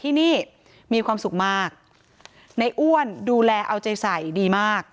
ทั้งครูก็มีค่าแรงรวมกันเดือนละประมาณ๗๐๐๐กว่าบาท